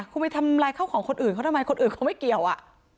คุณไปทำลายเข้าของคนอื่นเขาทำไมคนอื่นเขาไม่เกี่ยวอ่ะ